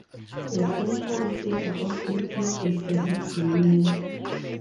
The central figure of the piece is the Virgin Mary.